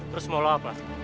terus mau lo apa